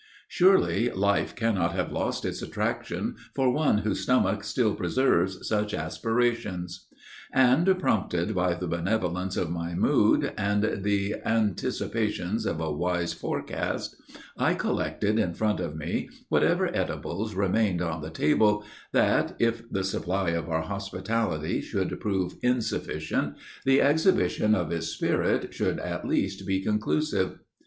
Surely, life cannot have lost its attractions for one whose stomach still preserves such aspirations." And, prompted by the benevolence of my mood, and the anticipations of a wise forecast, I collected in front of me whatever edibles remained on the table, that, if the supply of our hospitality should prove insufficient, the exhibition of its spirit should at least be conclusive.